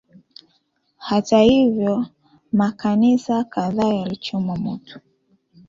Hata hivyo makanisa kadhaa yalichomwa moto